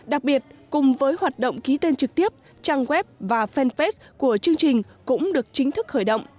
đặc biệt cùng với hoạt động ký tên trực tiếp trang web và fanpage của chương trình cũng được chính thức khởi động